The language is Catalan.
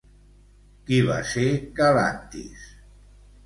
Qui va ser Galantis?